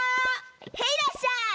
へいらっしゃい！